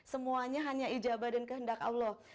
semuanya hanya ijabah dan kehendak allah